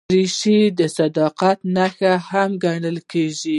دریشي د صداقت نښه هم ګڼل کېږي.